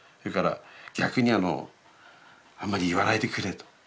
逆にあんまり言わないでくれと。